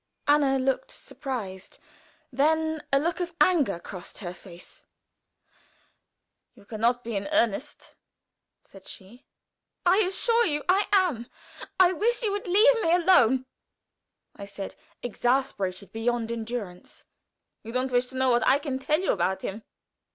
Anna looked surprised; then a look of anger crossed her face. "You can not be in earnest," said she. "I assure you I am. I wish you would leave me alone," I said, exasperated beyond endurance. "You don't wish to know what I can tell you about him?"